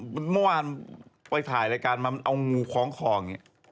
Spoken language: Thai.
เมื่อวานไปถ่ายรายการมามันเอางูคล้องคออย่างนี้